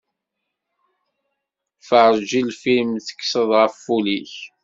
Ferrej lfilm, tekkseḍ ɣef ul-ik.